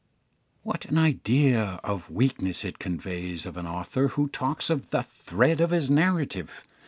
What an idea of weakness it conveys of an author who talks of "the thread of his narrative!"